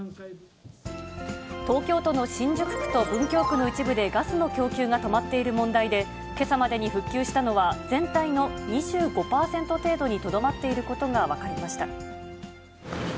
東京都の新宿区と文京区の一部でガスの供給が止まっている問題で、けさまでに復旧したのは、全体の２５％程度にとどまっていることが分かりました。